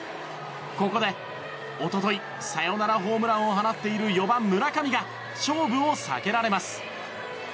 ここで一昨日サヨナラホームランを放っている４番、村上が勝負を避けられます。